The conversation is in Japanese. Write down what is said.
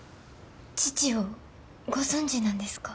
父をご存じなんですか？